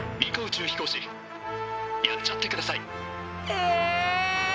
え。